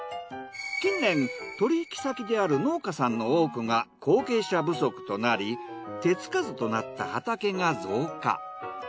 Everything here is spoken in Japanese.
近年取り引き先である農家さんの多くが後継者不足となり手つかずとなった畑が増加。